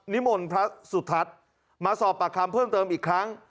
มนต์พระสุทัศน์มาสอบปากคำเพิ่มเติมอีกครั้ง